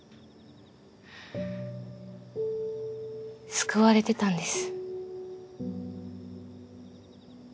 救われてたんです。